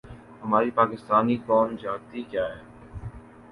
ہماری پاکستانی قوم چاہتی کیا ہے؟